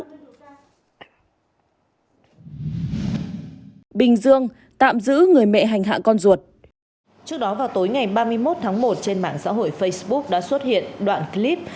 trước đó vào tối ngày ba mươi một tháng một trên mạng xã hội facebook đã xuất hiện đoạn clip